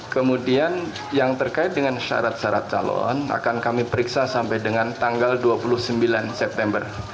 kemudian yang terkait dengan syarat syarat calon akan kami periksa sampai dengan tanggal dua puluh sembilan september